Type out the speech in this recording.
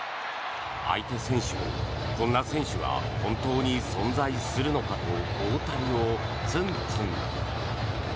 相手選手も、こんな選手が本当に存在するのかと大谷をツンツン。